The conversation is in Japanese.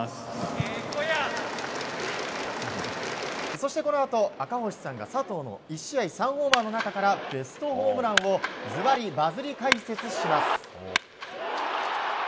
そしてこのあと、赤星さんが佐藤の１試合３ホーマーの中からベストホームランをズバリ★バズリ解説します。